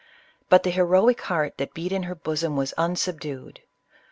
But the heroic heart that beat in her bosom was unsubdued.